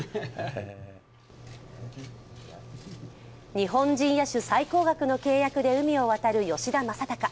日本人野手最高額の契約で海を渡る吉田正尚。